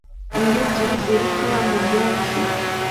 Imbwa ebyiri ziruka mu byatsi